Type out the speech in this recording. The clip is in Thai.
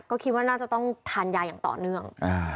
ก็คิดว่าน่าจะต้องทานยาอย่างต่อเนื่อง